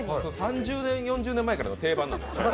３０年、４０年前から定番なのよ。